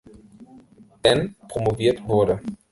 Dan promoviert wurde.